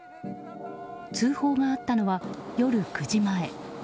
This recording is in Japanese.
通報があったのは夜９時前。